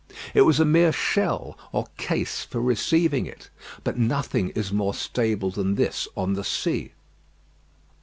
It was a mere shell, or case for receiving it; but nothing is more stable than this on the sea.